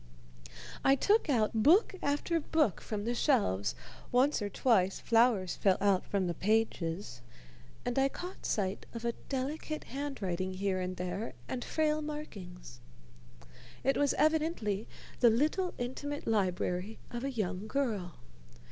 I took out book after book from the shelves, once or twice flowers fell out from the pages and I caught sight of a delicate handwriting here and there and frail markings. It was evidently the little intimate library of a young girl.